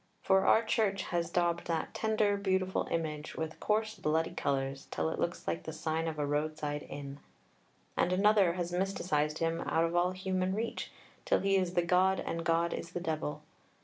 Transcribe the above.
For our Church has daubed that tender, beautiful image with coarse bloody colours till it looks like the sign of a road side inn. And another has mysticized him out of all human reach till he is the God and God is the Devil.